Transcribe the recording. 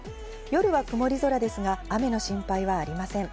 夜は曇り空ですが雨の心配はありません。